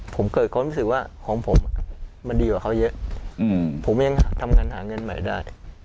ผมเกิดความรู้สึกว่าของผมมันดีกว่าเขาเยอะผมยังทำงานหาเงินใหม่ได้